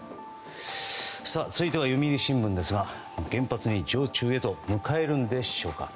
続いては読売新聞ですが原発に常駐を迎えるんでしょうか。